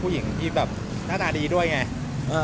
หน้าตดีด้วยไง